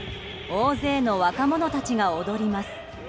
大勢の若者たちが踊ります。